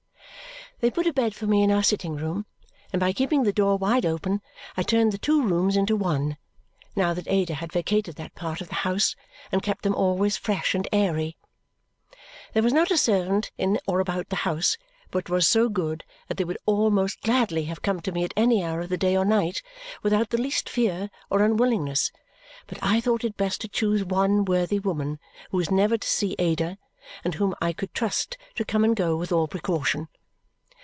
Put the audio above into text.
They put a bed for me in our sitting room; and by keeping the door wide open, I turned the two rooms into one, now that Ada had vacated that part of the house, and kept them always fresh and airy. There was not a servant in or about the house but was so good that they would all most gladly have come to me at any hour of the day or night without the least fear or unwillingness, but I thought it best to choose one worthy woman who was never to see Ada and whom I could trust to come and go with all precaution.